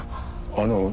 あの。